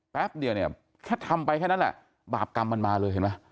แป๊บเดียวเนี่ยแค่ทำไปแค่นั้นแหละบาปกรรมมันมาเลยเห็นไหม